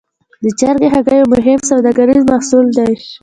د چرګ هګۍ یو مهم سوداګریز محصول دی.